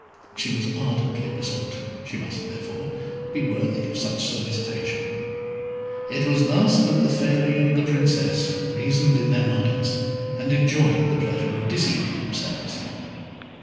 She was ardently besought she must, therefore, be worthy of such solicitation. It was thus that the Fairy and the Princess reasoned in their own minds, and enjoyed the pleasure of deceiving themselves.